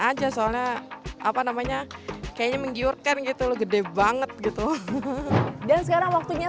aja soalnya apa namanya kayaknya menggiurkan gitu loh gede banget gitu dan sekarang waktunya